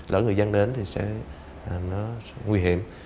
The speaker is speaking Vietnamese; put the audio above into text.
lỡ người dân đến thì nó sẽ nguy hiểm